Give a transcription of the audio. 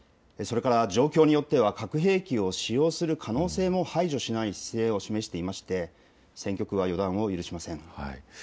状況によっては核兵器を使用する可能性も排除しない姿勢を示していまして戦局は予断を許しません。